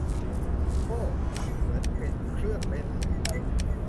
โอ้ เหมือนเป็นเครื่องเล่นเลย